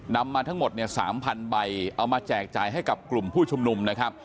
นำมาทั้งหมด๓๐๐๐ใบเอามาแจกจ่ายให้กับกลุ่มผู้ชุมนุม